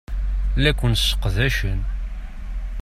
La ken-sseqdacen.